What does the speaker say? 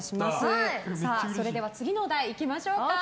それでは次のお題いきましょう。